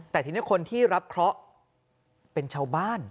แต่ทีนี้คนที่รับเคราะห์เป็นชาวบ้าน